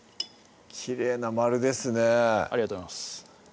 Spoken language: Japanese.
きれいな丸ですねぇありがとうございます